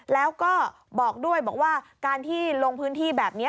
แล้วก็บอกด้วยบอกว่าการที่ลงพื้นที่แบบนี้